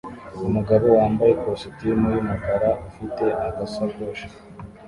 Umugabo wambaye ikositimu yumukara ufite agasakoshi